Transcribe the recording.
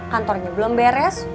kantornya belum beres